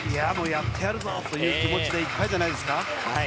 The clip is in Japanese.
やってやるぞという気持ちでいっぱいじゃないですか。